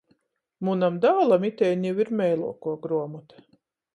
Munam dālam itei niu ir meiluokuo gruomota.